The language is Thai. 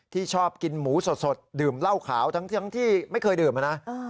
ชอบกินหมูสดดื่มเหล้าขาวทั้งที่ไม่เคยดื่มนะ